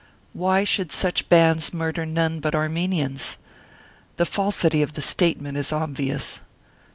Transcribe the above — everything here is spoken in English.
Why should such bands murder none but Armenians ?. The falsity of the statement is obvious.